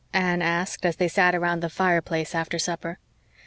Anne asked, as they sat around the fireplace after supper.